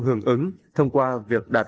hưởng ứng thông qua việc đặt